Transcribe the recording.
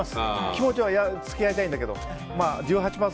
気持ちは付き合いたいんだけど。